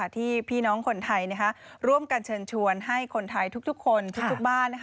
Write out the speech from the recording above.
พี่น้องคนไทยร่วมกันเชิญชวนให้คนไทยทุกคนทุกบ้าน